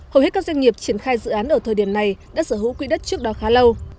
hầu hết các doanh nghiệp triển khai dự án ở thời điểm này đã sở hữu quỹ đất trước đó khá lâu